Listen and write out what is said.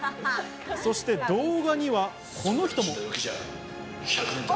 そして動画にはこの人も。